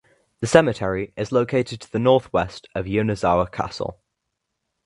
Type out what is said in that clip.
The cemetery is located to the northwest of Yonezawa Castle.